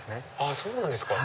そうなんですか。